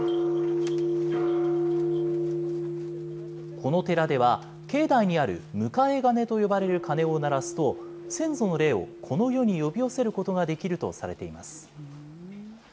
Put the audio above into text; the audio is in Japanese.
この寺では、境内にある迎え鐘と呼ばれる鐘を鳴らすと、先祖の霊をこの世に呼び寄せることができるとされています。